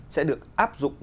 sẽ được áp dụng